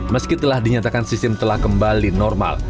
meski telah dinyatakan sistem telah kembali normal